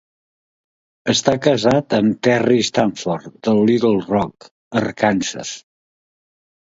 Està casat amb Terry Stanford de Little Rock, Arkansas.